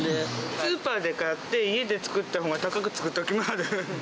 スーパーで買って、家で作ったほうが高くつくときもある。